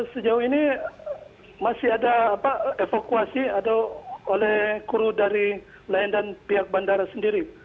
sejauh ini masih ada evakuasi oleh kru dari lain dan pihak bandara sendiri